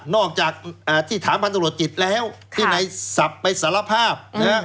อกจากที่ถามพันธุรกิจแล้วที่ในศัพท์ไปสารภาพนะ